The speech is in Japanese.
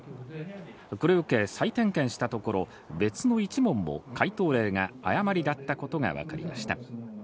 これを受け、再点検したところ、別の１問も解答例が誤りだったことが分かりました。